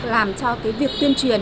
làm cho cái việc tuyên truyền